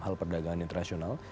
hal perdagangan internasional